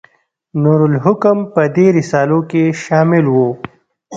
نور الحکم په دې رسالو کې شامل و.